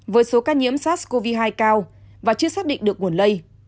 với số ca nhiễm sars cov hai cao và chưa xác định được nguồn lây